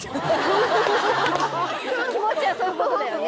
気持ちはそういう事だよね。